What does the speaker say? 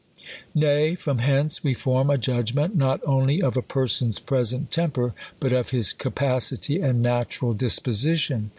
Nay, from hence we form a judgment not only of a per son's present temper, but of his capacity and natural disposition.